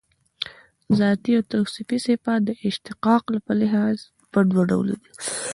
ذاتي او توصیفي صفات د اشتقاق په لحاظ پر دوه ډوله دي.